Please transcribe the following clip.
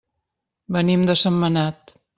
Venim de Sentmenat.